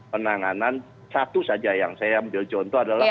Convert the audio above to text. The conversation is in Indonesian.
penanganan satu saja yang saya ambil contoh adalah